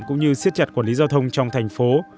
cũng như siết chặt quản lý giao thông trong thành phố